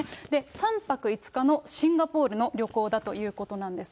３泊５日のシンガポールの旅行だということなんです。